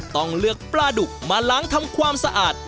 ต้องเลือกปลาดุกมาล้างทำความสะอาด